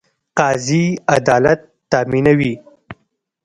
قاضي عدالت تامینوي